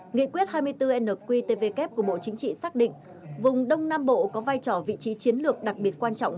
nghị quyết hai mươi bốn nqtvk của bộ chính trị xác định vùng đông nam bộ có vai trò vị trí chiến lược đặc biệt quan trọng